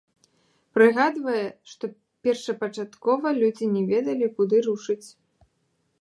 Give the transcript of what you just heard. Прыгадвае, што першапачаткова людзі не ведалі, куды рушыць.